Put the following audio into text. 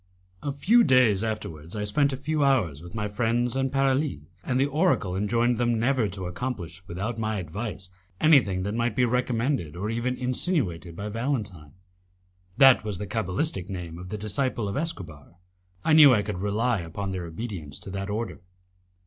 A few days afterwards I spent a few hours with my friends and Paralis, and the oracle enjoined them never to accomplish without my advice anything that might be recommended or even insinuated by Valentine; that was the cabalistic name of the disciple of Escobar. I knew I could rely upon their obedience to that order.